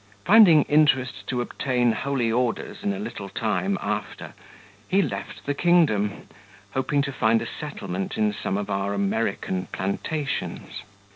Finding interest to obtain holy orders in a little time after, he left the kingdom, hoping to find a settlement in some of our American plantations.